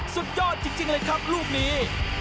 สุดยอดจริงเลยครับลูกนี้